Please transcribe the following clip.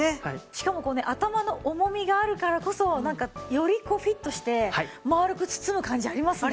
しかもこうね頭の重みがあるからこそなんかよりこうフィットしてまあるく包む感じありますね。